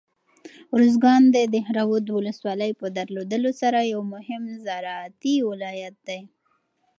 ارزګان د دهراود ولسوالۍ په درلودلو سره یو مهم زراعتي ولایت دی.